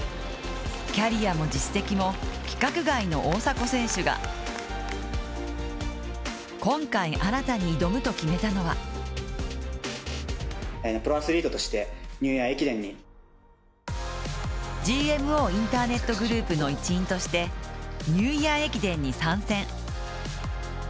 キャリアも実績も規格外の大迫選手が今回、新たに挑むと決めたのはＧＭＯインターネットグループの一員としてニューイヤー駅伝に参戦。